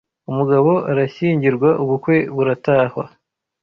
Umugabo arashyingirwa ubukwe buratahwa